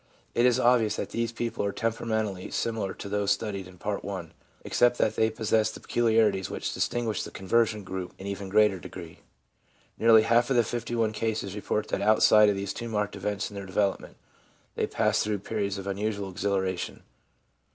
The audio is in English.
It is obvious that these people are temperamentally similar to those studied in Part I., except that they possess the peculiarities which distinguish the conversion group in even greater degree. Nearly half of the 51 cases report that outside of these two marked events in their development they passed through periods of unusual exhilaration.